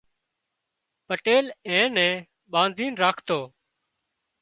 پٽيل اين نين ٻانڌين راکتو